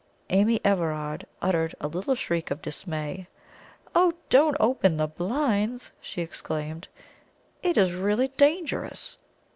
Amy Everard uttered a little shriek of dismay. "Oh, don't open the blinds!" she exclaimed. "It is really dangerous!"